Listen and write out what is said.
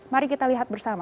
mari kita lihat bersama